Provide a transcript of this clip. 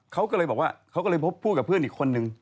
เขาก็เลยบอกว่าเขาก็เลยพบพูดกับเพื่อนอีกคนนึง